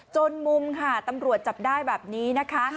จนมุมค่ะตำรวจจับได้แบบนี้นะคะ